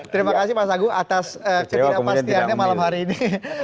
terima kasih mas agung atas ketidakpastiannya malam hari ini